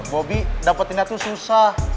bobby dapet tindak tuh susah